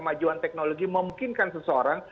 majuan teknologi memungkinkan seseorang